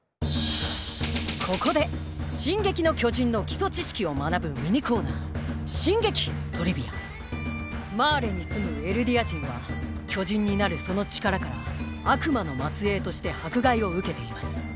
ここで「進撃の巨人」の基礎知識を学ぶミニコーナーマーレに住むエルディア人は巨人になるその力から悪魔の末裔として迫害を受けています。